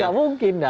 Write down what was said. sudah nggak mungkin